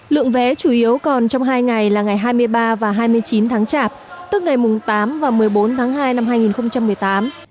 lượng vé chủ yếu còn trong hai ngày là ngày hai mươi ba và hai mươi chín tháng chạp tức ngày tám và một mươi bốn tháng hai năm hai nghìn một mươi tám